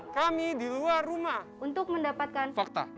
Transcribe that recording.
kami di luar rumah untuk mendapatkan fakta